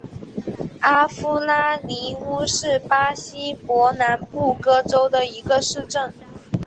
阿夫拉尼乌是巴西伯南布哥州的一个市镇。